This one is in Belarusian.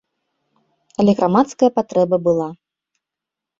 Але грамадская патрэба была!